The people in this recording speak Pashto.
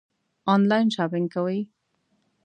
آنلاین شاپنګ کوئ؟